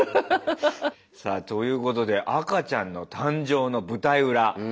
さあということで赤ちゃんの誕生の舞台裏。